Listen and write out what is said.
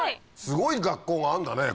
すごい学校があんだね